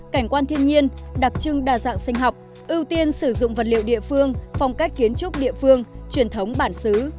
cảnh quan thiên nhiên đặc trưng đa dạng sinh học ưu tiên sử dụng vật liệu địa phương phong cách kiến trúc địa phương truyền thống bản xứ